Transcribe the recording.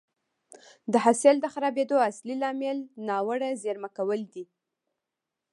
د حاصل د خرابېدو اصلي لامل ناوړه زېرمه کول دي